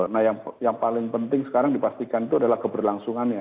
nah yang paling penting sekarang dipastikan itu adalah keberlangsungannya